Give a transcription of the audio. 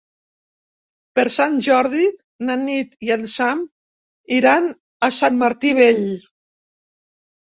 Per Sant Jordi na Nit i en Sam iran a Sant Martí Vell.